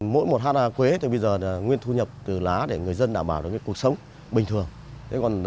mỗi một ha quế thì bây giờ nguyên thu nhập từ lá để người dân đảm bảo được cuộc sống bình thường